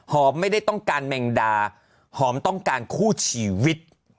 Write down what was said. ไม่ได้ต้องการแมงดาหอมต้องการคู่ชีวิต